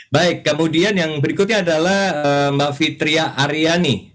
baik kemudian yang berikutnya adalah mbak fitria aryani